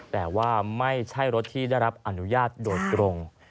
แต่ว่าไม่ใช่รถที่ได้รับอนุญาตโดยตรง